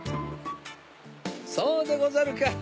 そうでござるか。